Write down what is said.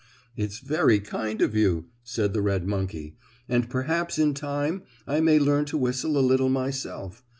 "It's very kind of you," said the red monkey, "and perhaps in time I may learn to whistle a little myself.